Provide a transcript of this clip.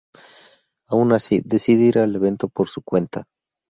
Aun así, decide ir al evento por su cuenta.